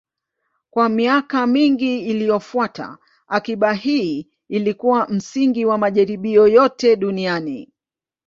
Kwa miaka mingi iliyofuata, akiba hii ilikuwa msingi wa majaribio yote duniani.